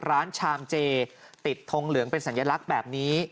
ชามเจติดทงเหลืองเป็นสัญลักษณ์แบบนี้